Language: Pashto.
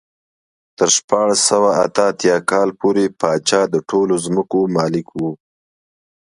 تر شپاړس سوه اته اتیا کال پورې پاچا د ټولو ځمکو مالک و.